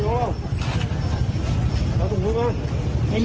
จะเผาไปไหน